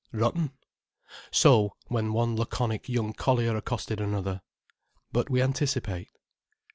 "Rotten." So, when one laconic young collier accosted another. But we anticipate.